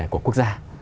của quốc gia